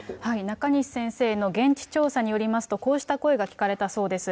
中西先生の現地調査によりますと、こうした声が聞かれたそうです。